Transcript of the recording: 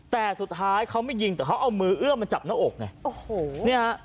แต่สุดท้ายเขาไม่ยิงแต่เขาเอามือเอื้อมาจับหน้าอกไง